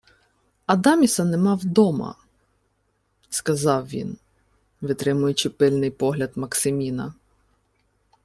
— Адаміса нема вдома, — сказав він, витримуючи пильний погляд Максиміна.